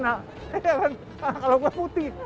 iya kan kalau gue putih